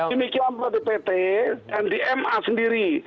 demikian buat dpp dan di ma sendiri